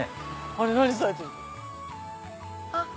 あれ何されてる？